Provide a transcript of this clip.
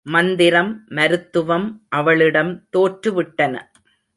மந்திரம் மருத்துவம் அவளிடம் தோற்றுவிட்டன.